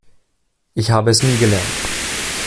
Ich habe es nie gelernt.